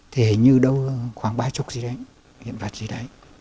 thì như đâu khoảng ba mươi gì đấy hiện vật gì đấy